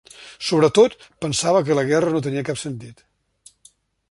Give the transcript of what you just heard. Sobretot, pensava que la guerra no tenia cap sentit.